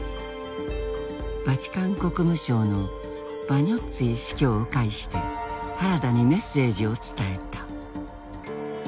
バチカン国務省のヴァニョッツイ司教を介して原田にメッセージを伝えた。